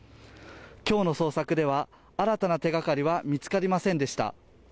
今日の捜索では、新たな手がかりは見つかりませんでした。